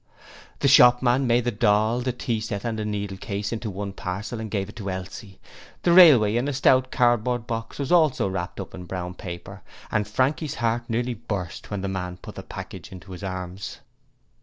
The shopman made the doll, the tea set and the needlecase into one parcel and gave it to Elsie. The railway, in a stout cardboard box, was also wrapped up in brown paper, and Frankie's heart nearly burst when the man put the package into his arms.